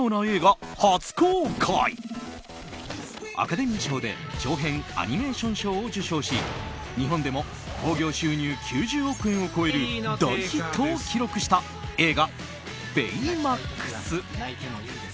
アカデミー賞で長編アニメーション賞を受賞し日本でも興行収入９０億円を超える大ヒットを記録した映画「ベイマックス」。